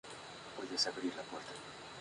Es lamentable que la Corte no lo haga.